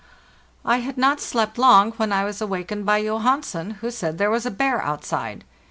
I had not slept long, when I was awakened by Johan. sen, who said there was a bear outside.